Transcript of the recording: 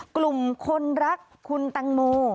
กลุ่มคนรักคุณตังโม